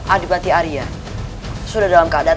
adibati arya sudah dalam keadaan